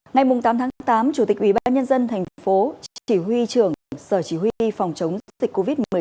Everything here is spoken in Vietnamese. ngày tám tháng tám chủ tịch ubnd tp chỉ huy trưởng sở chỉ huy phòng chống dịch covid một mươi chín